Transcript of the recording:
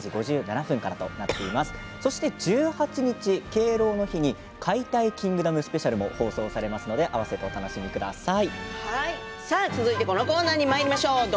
そして１８日、敬老の日に「解体キングダム」スペシャルも放送されますのでお楽しみください。